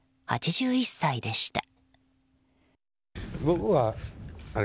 ８１歳でした。